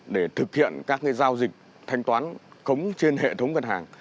để thực hiện các giao dịch thanh toán khống trên hệ thống ngân hàng